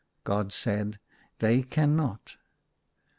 " God said, " They cannot."